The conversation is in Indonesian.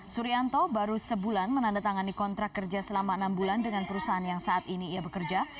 suryanto baru sebulan menandatangani kontrak kerja selama enam bulan dengan perusahaan yang saat ini ia bekerja